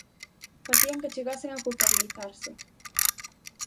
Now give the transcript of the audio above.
Facían que chegasen a culpabilizarse.